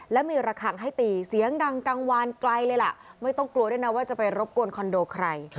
และมีระคังให้ตีเสียงดังกลางวานไกลเลยล่ะไม่ต้องกลัวด้วยนะว่าจะไปรบกวนคอนโดใคร